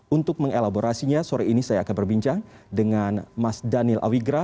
untuk mengelaborasinya sore ini saya akan berbincang dengan mas daniel awigra